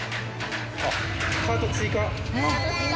あっカート追加。